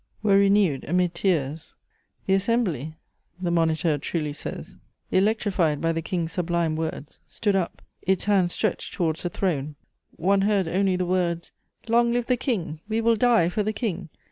were renewed, amid tears. "The assembly," the Moniteur truly says, "electrified by the King's sublime words, stood up, its hands stretched towards the throne. One heard only the words: 'Long live the King! We will die for the King!